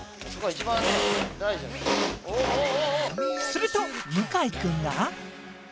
すると向井君が。